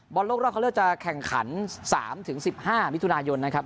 โลกรอบเข้าเลือกจะแข่งขัน๓๑๕มิถุนายนนะครับ